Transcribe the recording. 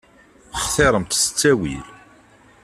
Xtiṛemt s ttawil.